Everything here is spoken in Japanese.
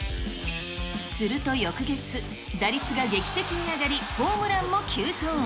すると翌月、打率が劇的に上がり、ホームランも急増。